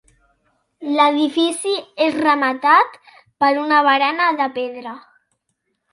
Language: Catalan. L'edifici és rematat per una barana de pedra.